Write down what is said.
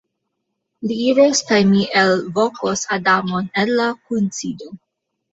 Li iros kaj mi elvokos Adamon el la kunsido.